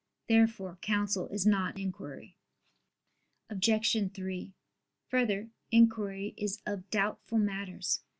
Therefore counsel is not inquiry. Obj. 3: Further, inquiry is of doubtful matters.